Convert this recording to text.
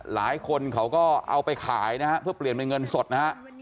หลายคนเขาก็เอาไปขายนะฮะเพื่อเปลี่ยนเป็นเงินสดนะฮะ